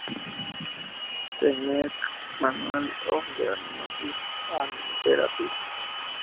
The Merck Manual of Diagnosis and Therapy.